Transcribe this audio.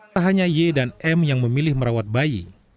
tak hanya y dan m yang memilih merawat bayi